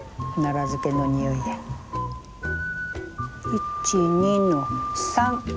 １２の３！